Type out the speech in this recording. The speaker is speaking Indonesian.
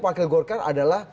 pakil golkar adalah